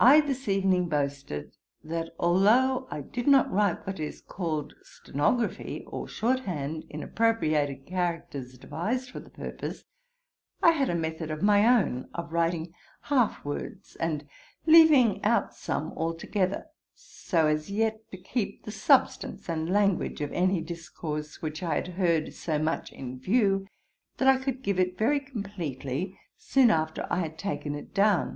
I this evening boasted, that although I did not write what is called stenography, or short hand, in appropriated characters devised for the purpose, I had a method of my own of writing half words, and leaving out some altogether so as yet to keep the substance and language of any discourse which I had heard so much in view, that I could give it very completely soon after I had taken it down.